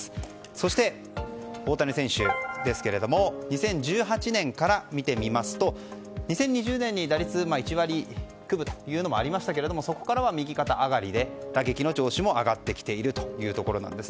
そして、大谷選手ですけれども２０１８年から見てみますと２０２０年に打率１割９分というのもありましたけれどもそこからは右肩上がりで打撃の調子も上がってきているということです。